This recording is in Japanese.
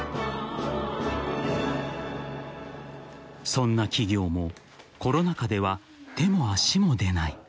［そんな企業もコロナ禍では手も足も出ない］